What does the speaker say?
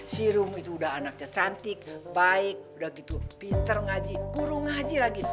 si rum itu udah anaknya cantik baik pinter ngaji guru ngaji lagi